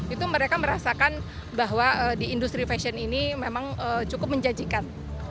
itu mereka merasakan bahwa di industri fashion ini memang cukup menjanjikan